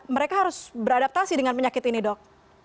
mereka harus beradaptasi dengan penyakit ini dok